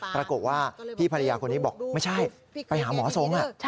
ปรากฏว่าพี่ภรรยาคนนี้บอกไม่ใช่ไปหาหมอทรง